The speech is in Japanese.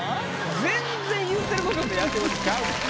全然言うてることとやってることちゃうで。